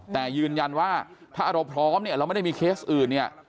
แต่ยืนยันว่าถ้าเราพร้อมเนี่ยเราไม่ได้มีเคสอื่นเนี่ย